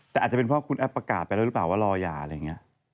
แต่อาจจะเป็นเพราะคุณแอปประกาศไปแล้วหรือเปล่าว่ารอยาอะไรอย่างนี้